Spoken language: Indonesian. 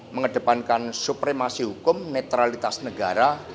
mengedepankan supremasi hukum netralitas negara